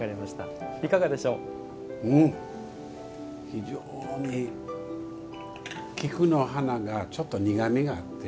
非常に菊の花がちょっと苦みがあって